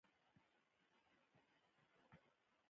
ځکه هغه لومړی د ټولنې یوه اړتیا پوره کوي